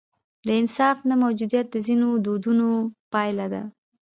د انصاف نه موجودیت د ځینو دودونو پایله ده.